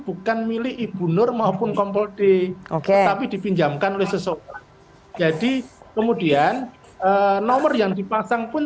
bukan milik ibu nur maupun kompol d tetapi dipinjamkan oleh seseorang jadi kemudian nomor yang dipasang pun